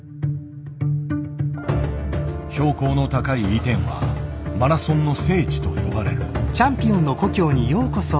標高の高いイテンは「マラソンの聖地」と呼ばれる。